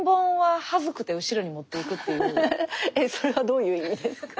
ハハハえっそれはどういう意味ですか？